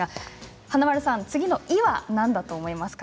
華丸さん、「い」は何だと思いますか？